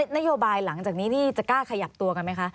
นโยบายหลังจากนี้นี่จะกล้าขยับตัวกันไหมคะ